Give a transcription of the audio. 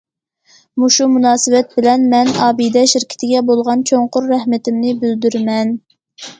مۇشۇ مۇناسىۋەت بىلەن مەن ئابىدە شىركىتىگە بولغان چوڭقۇر رەھمىتىمنى بىلدۈرىمەن.